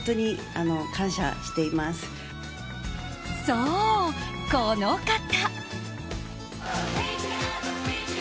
そう、この方。